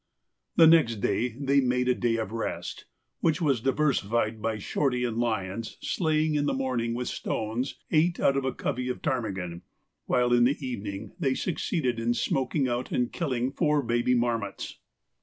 The next day they made a day of rest, which was diversified by Shorty and Lyons slaying in the morning with stones eight out of a covey of ptarmigan, while in the evening they succeeded in smoking out and killing four baby marmots.